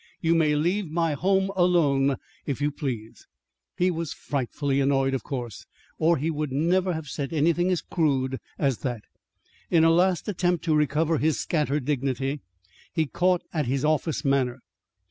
"You may leave my home alone, if you please." He was frightfully annoyed, of course, or he wouldn't have said anything as crude as that. In a last attempt to recover his scattered dignity, he caught at his office manner.